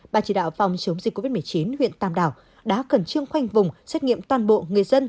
bà chỉ đạo phòng chống dịch covid một mươi chín huyện tàm đảo đã cần chương khoanh vùng xét nghiệm toàn bộ người dân